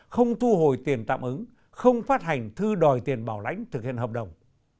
không thu hồi tiền tạm ứng không phát hành thư đòi tiền bảo lãnh thực hiện hợp đồng